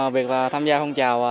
việc tham gia phong trào